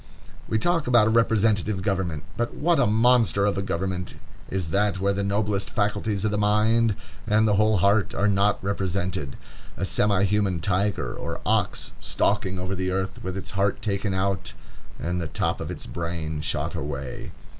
We talk about a representative government; but what a monster of a government is that where the noblest faculties of the mind, and the whole heart, are not represented. A semi human tiger or ox, stalking over the earth, with its heart taken out and the top of its brain shot away.